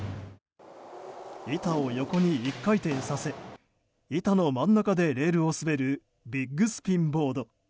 板を横に１回転させ板の真ん中でレールを滑るビッグスピンボード。